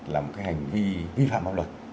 là một cái hành vi vi phạm bạo luật